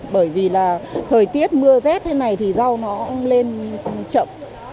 bởi vì là thời tiết mưa rét thế này thì rau nó lên chậm